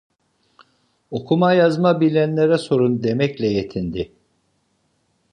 "Okuma yazma bilenlere sorun!" demekle yetindi.